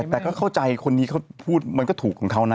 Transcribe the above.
แต่เข้าใจคนนี้มันก็ถูกของเขานะ